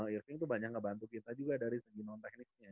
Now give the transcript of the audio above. earthing tuh banyak ngebantu kita juga dari segi non tekniknya